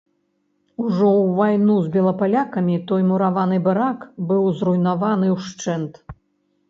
Ужо ў вайну з белапалякамі той мураваны барак быў зруйнаваны ўшчэнт.